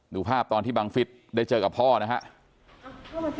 ดูภาพตอนที่บังฟิศได้เจอกับพ่อนะครับ